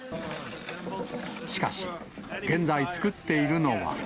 しかし、現在作っているのは。